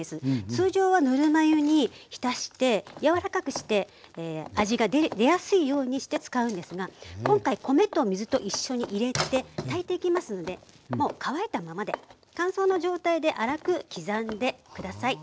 通常はぬるま湯に浸して柔らかくして味が出やすいようにして使うんですが今回米と水と一緒に入れて炊いていきますのでもう乾いたままで乾燥の状態で粗く刻んで下さい。